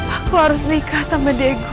aku harus nikah sama daegu